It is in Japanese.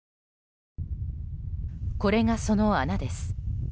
これが、その穴です。